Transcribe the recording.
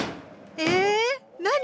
え⁉何？